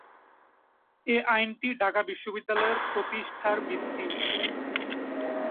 এ আইনটি ঢাকা বিশ্ববিদ্যালয়ের প্রতিষ্ঠার ভিত্তি।